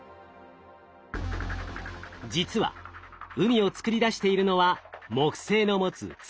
実は海を作り出しているのは木星の持つ強い重力。